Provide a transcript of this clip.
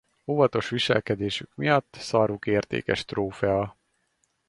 Óvatos viselkedésük miatt szarvuk értékes trófea.